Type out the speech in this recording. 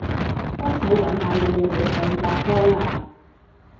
幫手搵下有冇嘢可以發光吖